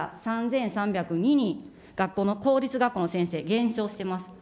これ、４月から３３０２人学校の、公立学校の先生、減少してます。